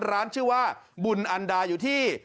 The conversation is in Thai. ร้านชื่อว่าบุญอันดาอยู่ที่